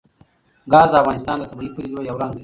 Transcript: ګاز د افغانستان د طبیعي پدیدو یو رنګ دی.